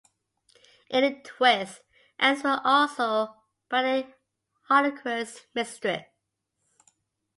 In a twist, Agnes was also Bradley Hardacre's mistress.